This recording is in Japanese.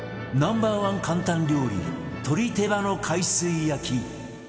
ナンバーワン簡単料理鶏手羽の海水焼き